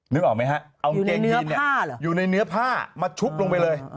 นึกออกไหมฮะเอากางเกงยีนเนี่ยอยู่ในเนื้อผ้ามาชุบลงไปเลย